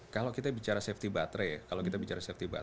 kalau kita bicara safety baterai